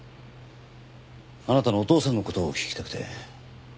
あなたのお父さんの事を聞きたくて。